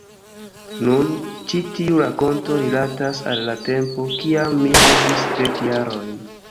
Nun, ĉi tiu rakonto rilatas al la tempo kiam mi havis dek jarojn.